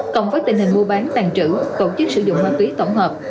cộng với tình hình mua bán tàn trữ tổ chức sử dụng ma túy tổng hợp